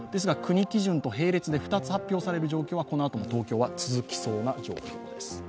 国基準と並列で２つ発表される状況はこのあとも東京は続きそうな状況です。